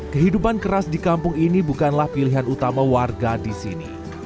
kehidupan keras di kampung ini bukanlah pilihan utama warga di sini